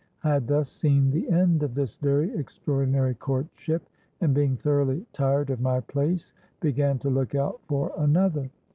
I had thus seen the end of this very extraordinary courtship, and being thoroughly tired of my place, began to look out for another.